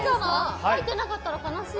入ってなかったら悲しい。